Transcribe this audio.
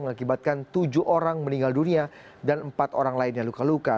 mengakibatkan tujuh orang meninggal dunia dan empat orang lainnya luka luka